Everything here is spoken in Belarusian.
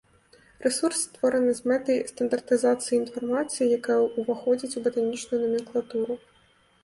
Рэсурс створаны з мэтай стандартызацыі інфармацыі, якая ўваходзіць у батанічную наменклатуру.